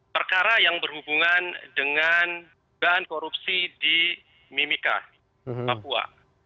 perkara yang berhubungan dengan dugaan korupsi di mimika papua